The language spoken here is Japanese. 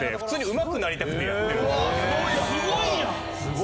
すごいやん！